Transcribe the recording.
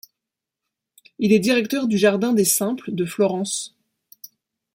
Il est directeur du jardin des simples de Florence.